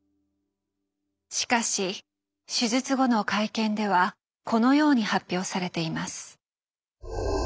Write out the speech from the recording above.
しかし手術後の会見ではこのように発表されています。